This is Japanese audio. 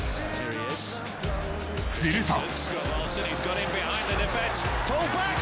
すると。